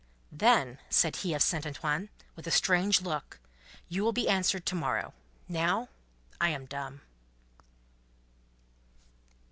"Then," said he of Saint Antoine, with a strange look, "you will be answered to morrow. Now, I am dumb!"